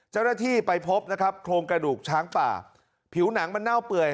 เจ้าหน้าที่ไปพบนะครับโครงกระดูกช้างป่าผิวหนังมันเน่าเปื่อย